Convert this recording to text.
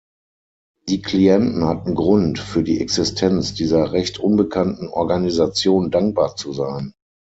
Die Klienten hatten Grund, für die Existenz dieser recht unbekannten Organisation dankbar zu sein.